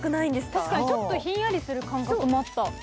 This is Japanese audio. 確かにちょっとひんやりする感覚もあった。